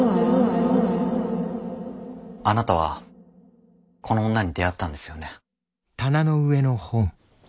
あなたはこの女に出会ったんですよね？